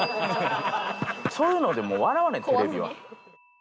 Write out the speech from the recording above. そういうのでもう笑わないテレビは。